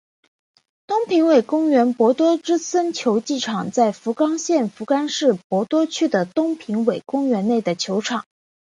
东平尾公园博多之森球技场在福冈县福冈市博多区的东平尾公园内的球场。